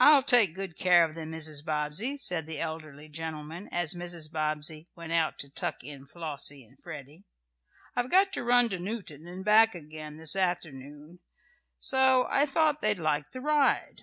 "I'll take good care of them, Mrs. Bobbsey," said the elderly gentleman, as Mrs. Bobbsey went out to tuck in Flossie and Freddie "I've got to run into Newton and back again this afternoon, so I thought they'd like the ride."